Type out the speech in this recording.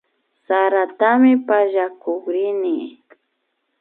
Saratami pallakukrini